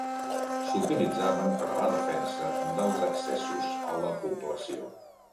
S'utilitzaven per a la defensa dels accessos a la població.